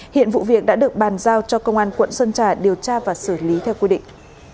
hiện vụ việc đã được bàn giao cho công an quận sơn trà điều tra và xử lý theo quy định